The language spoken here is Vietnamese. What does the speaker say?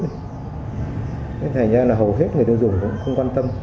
nên hình như là hầu hết người tiêu dùng không quan tâm